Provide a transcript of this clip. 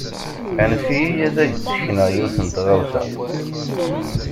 Anef-iyi ad ak-d-sekneɣ yiwet n tɣawsa.